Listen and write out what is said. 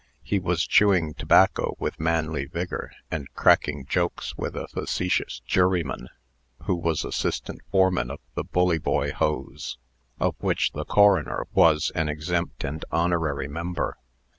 He was chewing tobacco with manly vigor, and cracking jokes with a facetious juryman, who was assistant foreman of the Bully Boy Hose, of which the coroner was an exempt and honorary member.